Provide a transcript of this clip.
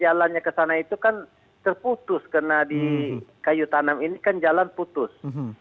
jalannya ke sana itu kan terputus karena di kayu tanam ini kan jalan putus